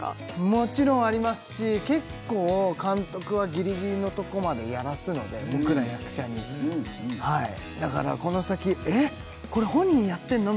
もちろんありますし結構監督はギリギリのとこまでやらすので僕ら役者にはいだからこの先「えっこれ本人やってんの？」